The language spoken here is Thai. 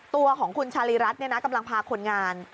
ตัวของคุณชาลีรัทย์เนี่ยนะกำลังพาคนงาน